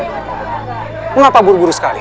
mengapa buru buru sekali